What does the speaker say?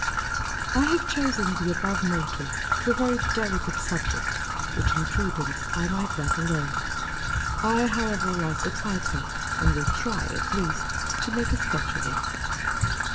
I have chosen the above motto to a very delicate subject, which in prudence I might let alone. I, however, like the title ; and will try, at least, to make a sketch of it.